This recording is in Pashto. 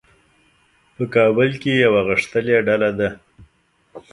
په کابل کې یوه غښتلې ډله ده.